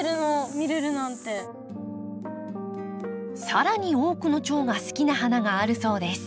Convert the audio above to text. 更に多くのチョウが好きな花があるそうです。